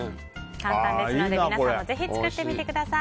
簡単ですので皆さんもぜひ作ってみてください。